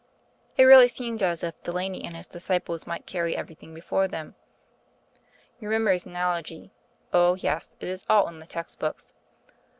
It really seemed as if Delaney and his disciples might carry everything before them. You remember his 'Analogy'? Oh, yes, it is all in the text books....